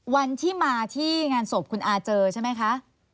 วันที่มาที่งานศพคุณอาเจอใช่ไหมคะ